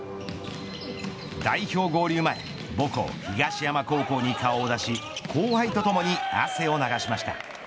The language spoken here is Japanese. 代表合流前母校、東山高校に顔を出し後輩とともに汗を流しました。